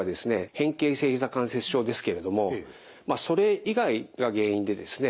変形性ひざ関節症ですけれどもそれ以外が原因でですね